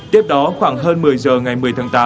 tiếp đó khoảng hơn một mươi giờ ngày một mươi tháng tám